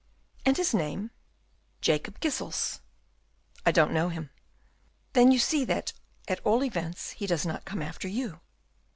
"And his name?" "Jacob Gisels." "I don't know him." "Then you see that, at all events, he does not come after you."